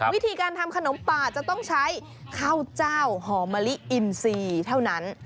วิธีการทำขนมป่าจะต้องใช้ข้าวเจ้าหอมะลิอินซีเท่านั้น